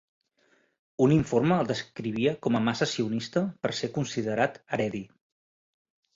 Un informe el descrivia com a massa sionista per ser considerat Haredi.